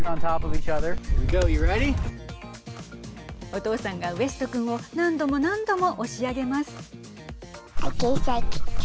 お父さんが、ウエスト君を何度も何度も押し上げます。